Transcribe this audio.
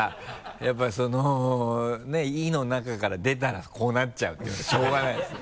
やっぱそのねぇ井の中から出たらこうなっちゃうっていうのはしょうがないですよ。